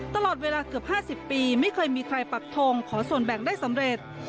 ตลอดเวลาเกือบ๕๐ปีไม่เคยมีใครปักทงขอส่วนแบ่งได้สำเร็จ